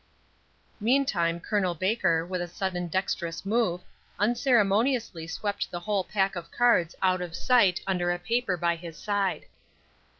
Meantime Col. Baker, with a sudden dexterous move, unceremoniously swept the whole pack of cards out of sight under a paper by his side.